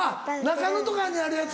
中野とかにあるやつ？